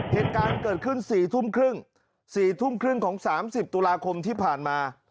เหตุการณ์เกิดขึ้น๔ทุ่มครึ่ง๔ทุ่มครึ่งของ๓๐ตุลาคมที่ผ่านมา